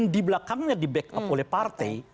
di belakangnya di backup oleh partai